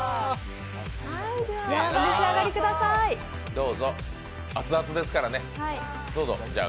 どうぞ、熱々ですからね。